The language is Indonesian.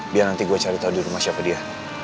biar nanti gue cari tahu di rumah siapa dia